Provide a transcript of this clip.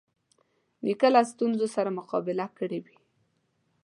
نیکه له ستونزو سره مقابله کړې وي.